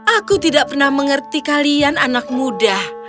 aku tidak pernah mengerti kalian anak muda